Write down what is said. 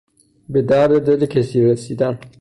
به درد دل کسی رسیدن